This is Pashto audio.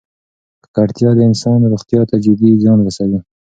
ککړتیا د انسان روغتیا ته جدي زیان رسوي.